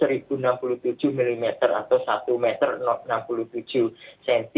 atau niro kits yang hanya seribu enam puluh tujuh mm atau satu meter enam puluh tujuh cm